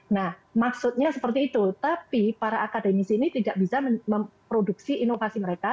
nah maksudnya seperti itu tapi para akademis ini tidak bisa memproduksi inovasi mereka